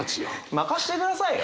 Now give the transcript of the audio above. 任してくださいよ。